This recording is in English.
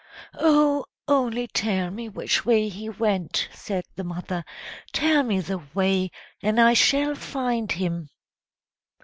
"Oh, only tell me which way he went!" said the mother. "Tell me the way, and I shall find him!"